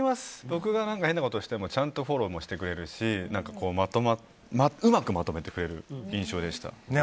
僕が変なことをしてもちゃんとフォローもしてくれるしうまくまとめてくれる印象ですね。